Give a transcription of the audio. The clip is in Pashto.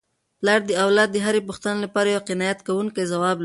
پلار د اولاد د هرې پوښتني لپاره یو قناعت کوونکی ځواب لري.